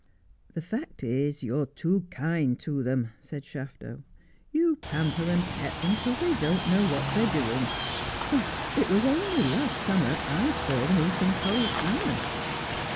'The fact is, you're too kind to them,' said Shafto. 'You pamper and pet them till they don't know what they're doing. Why, it was only last summer I saw them eating cold salmon.'